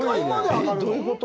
えっ、どういうこと？